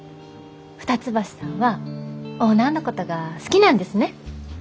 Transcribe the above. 二ツ橋さんはオーナーのことが好きなんですね？